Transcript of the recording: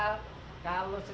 apaan tuh kan itu tradisi